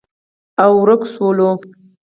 او، ورک شول